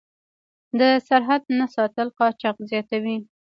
د سرحد نه ساتل قاچاق زیاتوي.